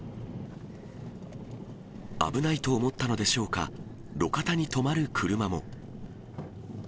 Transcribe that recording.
危ないと思ったのでしょうか、路肩に止まる車も。